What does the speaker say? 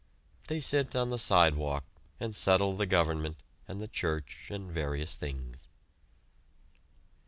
They sit on the sidewalk and settle the government and the church and various things.